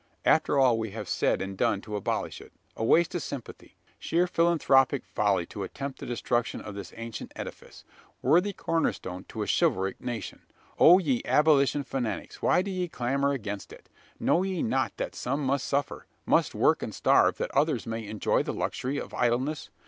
After all we have said and done to abolish it! A waste of sympathy sheer philanthropic folly to attempt the destruction of this ancient edifice worthy corner stone to a `chivalric' nation! Oh, ye abolition fanatics! why do ye clamour against it? Know ye not that some must suffer must work and starve that others may enjoy the luxury of idleness?